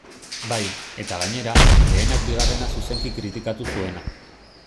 Bai, eta gainera, lehenak bigarrena zuzenki kritikatu zuena.